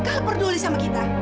gak bakal peduli sama kita